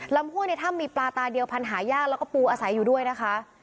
ห้วยในถ้ำมีปลาตาเดียวพันหายากแล้วก็ปูอาศัยอยู่ด้วยนะคะ